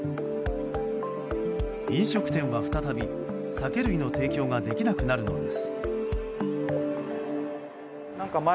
飲食店は再び、酒類の提供ができなくなるのです。